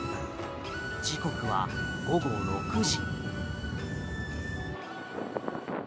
時刻は午後６時。